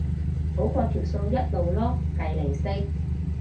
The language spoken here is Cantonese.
好過條數一路碌計利息